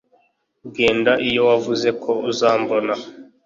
genda iyo wavuze ko uzambona